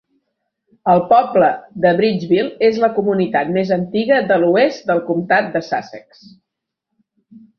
El poble de Bridgeville és la comunitat més antiga de l'oest del comtat de Sussex.